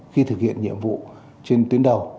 khi thực hiện nhiệm vụ trên tuyến đầu